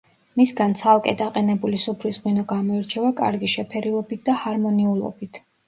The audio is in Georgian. მისგან ცალკე დაყენებული სუფრის ღვინო გამოირჩევა კარგი შეფერილობით და ჰარმონიულობით.